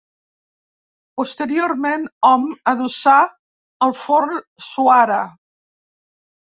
Posteriorment hom adossà el forn suara.